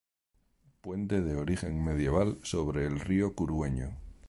Puente de origen medieval sobre el río Curueño.